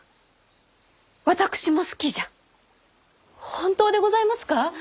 本当でございますか！